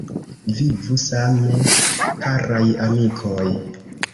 Vivu sane, karaj amikoj!